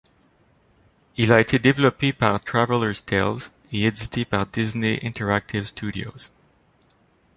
Il a été développé par Traveller's Tales et édité par Disney Interactive Studios.